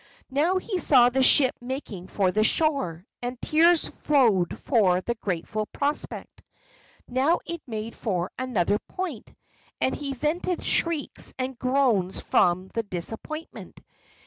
Now he saw the ship making for the shore, and tears flowed for the grateful prospect. Now it made for another point, and he vented shrieks and groans from the disappointment.